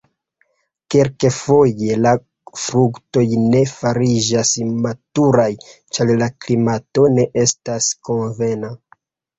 Kelkfoje la fruktoj ne fariĝas maturaj, ĉar la klimato ne estas konvena.